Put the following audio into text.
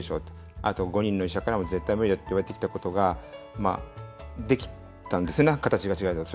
あと、５人の医者からも絶対無理だって言われてきたことができたんですね、形が違うけど。